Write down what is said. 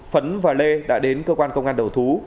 phấn và lê đã đến cơ quan công an đầu thú